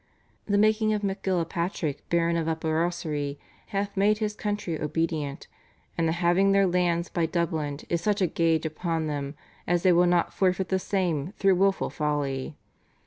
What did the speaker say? The making of MacGillapatrick Baron of Upper Ossory hath made his country obedient; and the having their lands by Dublin is such a gage upon them as they will not forfeit the same through wilful folly."